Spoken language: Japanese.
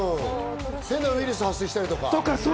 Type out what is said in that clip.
変なウイルス発生したりとか。